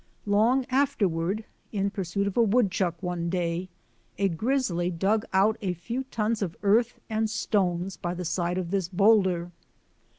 Long afterward, in pursuit of a woodchuck one day, a grizzly dug out a few tons of earth and stones by the side of this boulder.